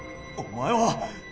お前は！